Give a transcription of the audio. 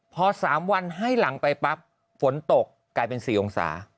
พอ๓วันให้หลังไปปั๊บฝนตกกลายเป็น๔องศา